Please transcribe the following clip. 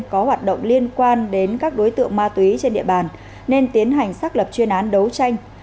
có hoạt động liên quan đến các đối tượng ma túy trên địa bàn nên tiến hành xác lập chuyên án đấu tranh